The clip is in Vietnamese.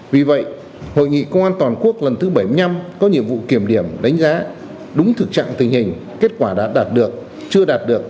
vì vậy hội nghị công an toàn quốc lần thứ bảy mươi năm có nhiệm vụ kiểm điểm đánh giá đúng thực trạng tình hình kết quả đã đạt được chưa đạt được